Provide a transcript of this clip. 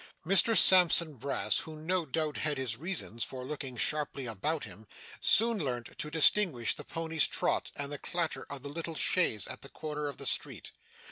Mr Sampson Brass, who no doubt had his reasons for looking sharply about him, soon learnt to distinguish the pony's trot and the clatter of the little chaise at the corner of the street.